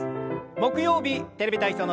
木曜日「テレビ体操」の時間です。